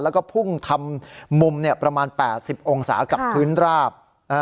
แล้วก็พุ่งทำมุมประมาณ๘๐องศากับพื้นราบ